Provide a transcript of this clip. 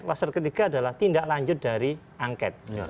kluster ketiga adalah tindak lanjut dari angket